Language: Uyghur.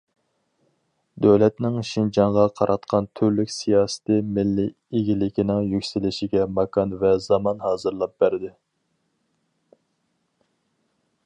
دۆلەتنىڭ شىنجاڭغا قاراتقان تۈرلۈك سىياسىتى مىللىي ئىگىلىكنىڭ يۈكسىلىشىگە ماكان ۋە زامان ھازىرلاپ بەردى.